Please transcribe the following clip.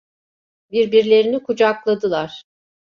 Birbirlerini kucakladılar.